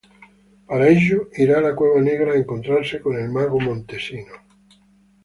Para ello irá a la cueva negra a encontrarse con el mago Montesinos.